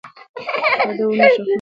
هغه د ونو ښاخونه نه پرې کوي.